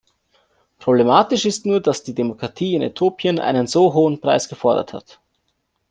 Problematisch ist nur, dass die Demokratie in Äthiopien einen so hohen Preis gefordert hat.